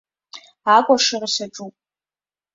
Акәашара саҿуп.